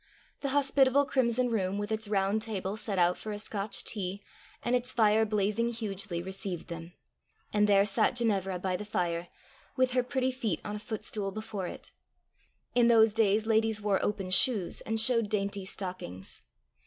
The hospitable crimson room, with its round table set out for a Scotch tea, and its fire blazing hugely, received them. And there sat Ginevra by the fire! with her pretty feet on a footstool before it: in those days ladies wore open shoes, and showed dainty stockings.